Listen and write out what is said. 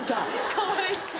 かわいそう。